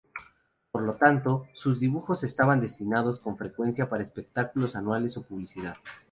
Por lo tanto, sus dibujos estaban destinados con frecuencia para espectáculos anuales o publicidad.